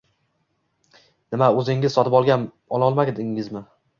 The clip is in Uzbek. “Nima o‘zingiz sotib ololmadingizmi?